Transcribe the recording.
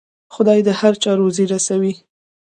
خدای د هر چا روزي رسوي.